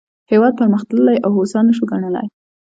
هېواد پرمختللی او هوسا نه شو ګڼلای.